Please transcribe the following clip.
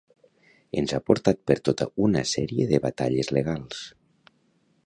ens ha portat per tota una sèrie de batalles legals